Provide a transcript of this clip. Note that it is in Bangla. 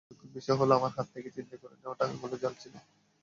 দুঃখের বিষয় হলো, আমার হাত থেকে ছিনতাই করে নেওয়া টাকাগুলো জাল ছিল।